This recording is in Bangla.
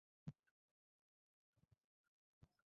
তোর ইচ্ছে, আমার মাথায় মেরেছিলে তাইনা, এখন দেখ তোমার কী হাল করি।